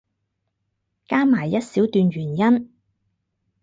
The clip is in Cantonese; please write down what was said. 加埋一小段原因